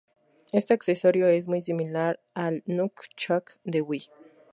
Este accesorio es muy similar al Nunchuk de Wii.